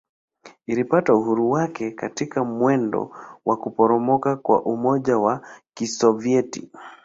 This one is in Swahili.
Ilipata uhuru wake katika mwendo wa kuporomoka kwa Umoja wa Kisovyeti.